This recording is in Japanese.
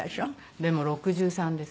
でも６３です。